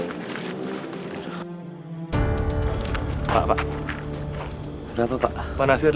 untuk menggunakan kittai